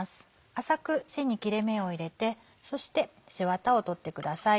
浅く背に切れ目を入れてそして背ワタを取ってください。